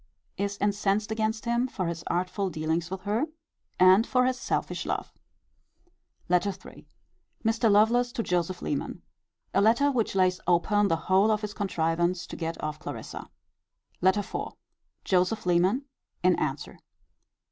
Is incensed against him for his artful dealings with her, and for his selfish love. LETTER III. Mr. Lovelace to Joseph Leman. A letter which lays open the whole of his contrivance to get off Clarissa. LETTER IV. Joseph Leman. In answer.